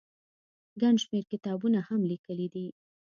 ګڼ شمېر کتابونه هم ليکلي دي